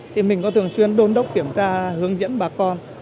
thì mình có thường xuyên đôn đốc kiểm tra hướng dẫn bà con